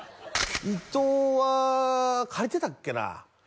伊藤は借りてたっけな？